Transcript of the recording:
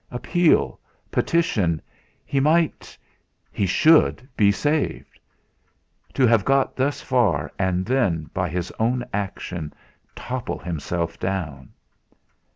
Appeal! Petition! He might he should be saved! To have got thus far, and then, by his own action, topple himself down!